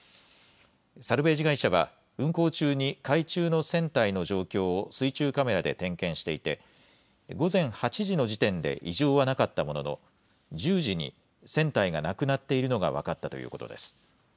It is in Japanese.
サルベージ会社は運航中に海中の船体の状況を水中カメラで点検していて午前８時の時点で異常はなかったものの１０時に船体がなくなっているのが分かったということです。